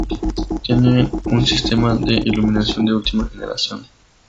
Tiene un sistema de iluminación de última generación.